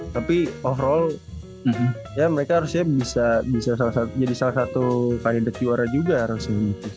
tapi overall ya mereka harusnya bisa jadi salah satu kandidat juara juga harusnya